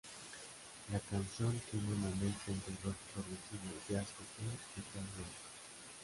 La canción tiene una mezcla entre Rock progresivo, jazz fusion y hard rock.